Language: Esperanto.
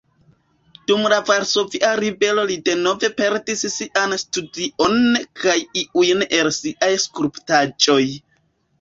Dum la Varsovia Ribelo li denove perdis sian studion kaj iujn el siaj skulptaĵoj.